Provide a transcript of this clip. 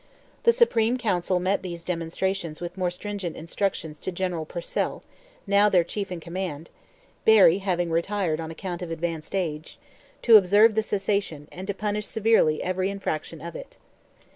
The Supreme Council met these demonstrations with more stringent instructions to General Purcell, now their chief in command, (Barry having retired on account of advanced age,) to observe the cessation, and to punish severely every infraction of it.